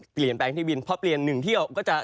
เปลี่ยนแปลงที่บินเพราะเปลี่ยนหนึ่งเที่ยวก็จะ